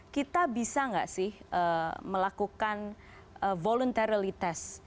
kita bisa nggak sih melakukan voluntarily test